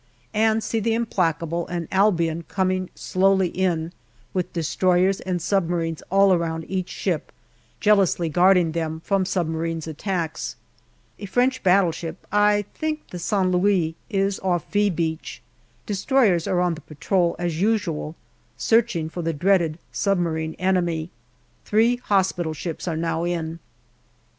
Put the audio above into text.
and see the Implacable and Albion coming slowly in, with destroyers and submarines all around each ship, jealously guarding them from submarines' attacks. A French battle ship, I think the Saint Louis, is off " V " Beach. De stroyers are on the patrol, as usual, searching for the dreaded submarine enemy. Three hospital ships are now in.